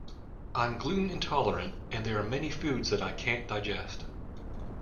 I'm gluten intolerant, and there are many foods that I can't digest.